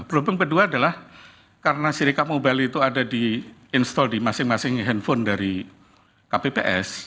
problem kedua adalah karena sirikam mobile itu ada di install di masing masing handphone dari kpps